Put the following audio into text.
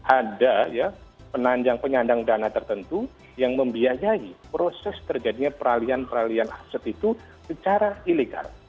ada penandang penyandang dana tertentu yang membiayai proses terjadinya peralihan peralihan aset itu secara ilegal